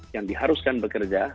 yang diharuskan bekerja